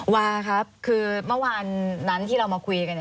วาครับคือเมื่อวานนั้นที่เรามาคุยกัน